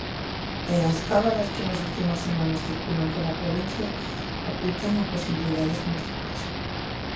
E as cábalas que nas últimas semanas circulan pola provincia apuntan a posibilidades múltiplas.